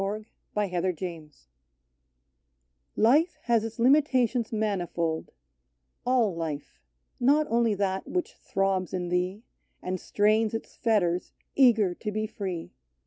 44 TO HELEN KELLER T IFE has its limitations manifold : All life ; not only that which throbs in thee, And strains its fetters, eager to be free.